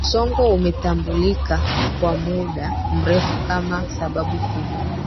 Msongo umetambulika kwa muda mrefu kama sababu kubwa